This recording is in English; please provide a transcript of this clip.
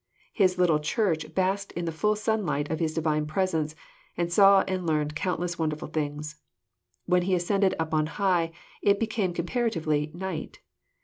His little Church basked in the ftill sunlight of His Divine presence, and saw and learned countless wonderfhl things. When He ascended up on high it became comparatively night."